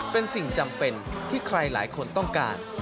เป็นสิ่งจำเป็นที่ใครหลายคนต้องการ